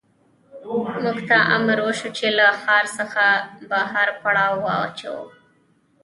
موږ ته امر وشو چې له ښار څخه بهر پړاو واچوو